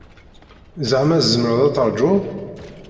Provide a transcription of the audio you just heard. Zeɛma tzemreḍ ad taṛǧuḍ?